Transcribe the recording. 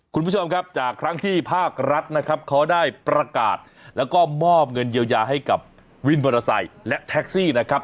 คุณผู้ชมครับจากครั้งที่ภาครัฐนะครับเขาได้ประกาศแล้วก็มอบเงินเยียวยาให้กับวินมอเตอร์ไซค์และแท็กซี่นะครับ